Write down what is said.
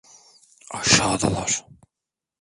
Aşağıdalar.